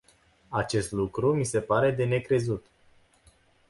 Acest lucru mi se pare de necrezut.